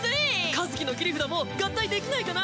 カズキの切り札も合体できないかな？